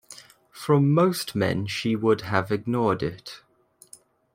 From most men she would have ignored it.